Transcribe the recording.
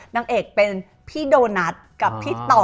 นางเอกเป็นพี่โดนัทกับพี่ต่อ